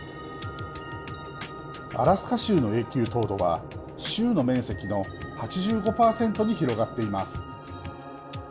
アラスカ州の永久凍土は州の面積の８５％に広がっています